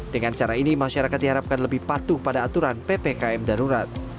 dengan cara ini masyarakat diharapkan lebih patuh pada aturan ppkm darurat